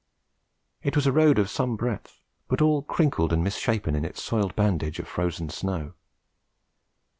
It was a road of some breadth, but all crinkled and misshapen in its soiled bandage of frozen snow.